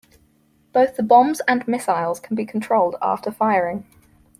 Both the bombs and missiles can be controlled after firing.